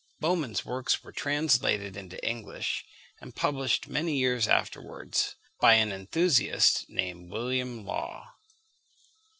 Böhmen's works were translated into English, and published, many years afterwards, by an enthusiast named William Law.